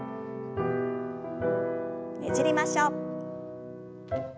ねじりましょう。